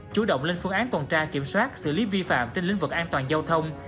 chủ động lên phương án tuần tra kiểm soát xử lý vi phạm trên lĩnh vực an toàn giao thông